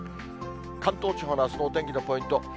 関東地方のあすのお天気のポイント。